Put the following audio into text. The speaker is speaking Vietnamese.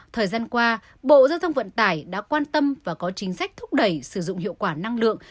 thời gian qua bộ giao thông vận tải đã quan tâm và có chính sách thúc đẩy sử dụng hiệu quả năng lượng